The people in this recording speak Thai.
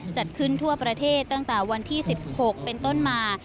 จัดขึ้นทั่วประเทศตั้งแต่วันที่๑๖เป็นต้นมา